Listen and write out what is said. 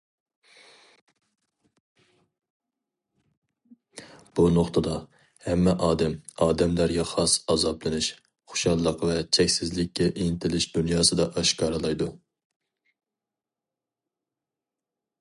بۇ نۇقتىدا ھەممە ئادەم، ئادەملەرگە خاس ئازابلىنىش، خۇشاللىق ۋە چەكسىزلىككە ئىنتىلىش دۇنياسىدا ئاشكارىلايدۇ.